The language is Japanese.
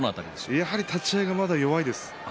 やはり立ち合いが弱いです。